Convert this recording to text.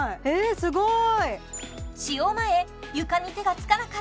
すごーい！